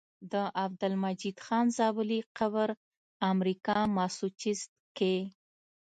د عبدالمجيد خان زابلي قبر امريکا ماسوچست کي